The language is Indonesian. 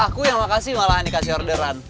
aku yang makasih malahan dikasih orderan